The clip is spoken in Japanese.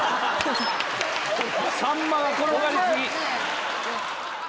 サンマが転がり過ぎ。